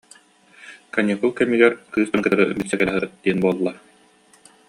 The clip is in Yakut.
Каникул кэмигэр кыыс дьонун кытары билсэ кэлэ сырыт диэн буолла